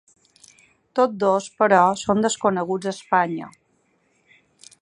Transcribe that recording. Tots dos, però, són desconeguts a Espanya.